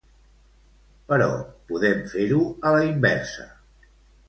Però podem fer-ho a la inversa.